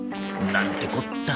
なんてこった。